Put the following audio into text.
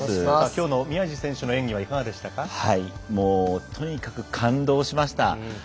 きょうの宮路選手の演技とにかく感動しました。